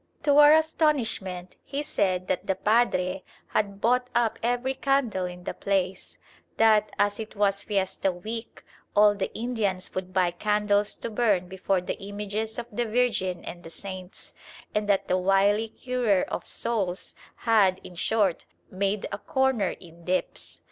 To our astonishment he said that the padre had bought up every candle in the place: that, as it was fiesta week, all the Indians would buy candles to burn before the images of the Virgin and the saints; and that the wily curer of souls had, in short, made a corner in dips.